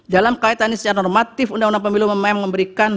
dalam kaitannya secara normatif undang undang pemilu memang memberikan